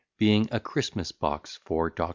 BEING A CHRISTMAS BOX FOR DR.